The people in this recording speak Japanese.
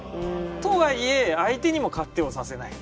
とはいえ相手にも勝手をさせない。